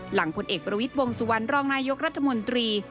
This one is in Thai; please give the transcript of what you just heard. หลังผลเอกบริวิตวงศ์สุวรรณรองนายยกรัฐมนตรี